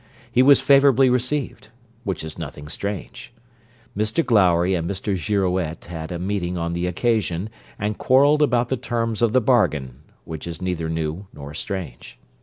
He was favourably received; which is nothing strange. Mr Glowry and Mr Girouette had a meeting on the occasion, and quarrelled about the terms of the bargain; which is neither new nor strange.